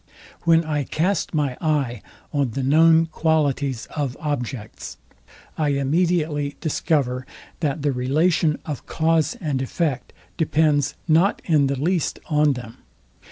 When I cast my eye on the known Qualities of objects, I immediately discover that the relation of cause and effect depends not in the least on them.